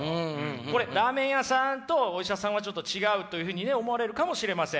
これラーメン屋さんとお医者さんはちょっと違うというふうにね思われるかもしれません。